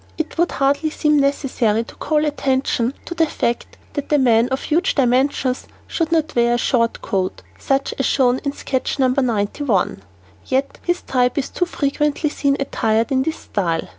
It would hardly seem necessary to call attention to the fact that a man of huge dimensions should not wear a short coat, such as shown in sketch No. 91, yet his type is too frequently seen attired in this style.